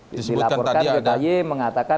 dilaporkan yogyakarta yogyakarta mengatakan